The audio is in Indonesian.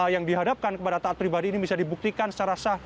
yang dihadapkan kepada taat pribadi ini bisa dibuktikan secara sah